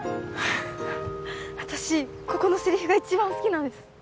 私ここのセリフが一番好きなんです